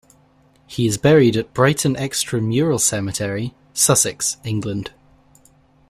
He is buried at Brighton Extra Mural Cemetery, Sussex, England.